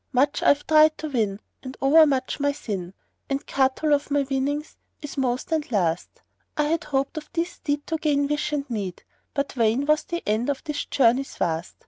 Much I've tried to win and o'er much my sin, * And Katul of my winnings is most and last: I had hoped of this steed to gain wish and need, * But vain was the end of this journey vast.